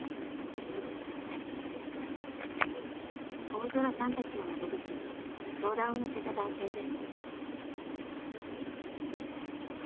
大空さんたちの窓口に相談を寄せた男性です。